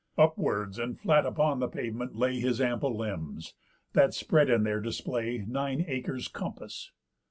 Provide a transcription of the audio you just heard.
Upwards, and flat upon the pavement, lay His ample limbs, that spread in their display Nine acres' compass.